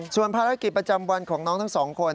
ส่วนภารกิจประจำวันของน้องทั้งสองคน